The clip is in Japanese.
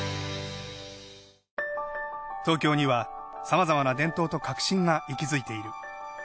東京にはさまざまな伝統と革新が息づいている。